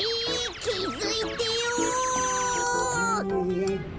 きづいてよ。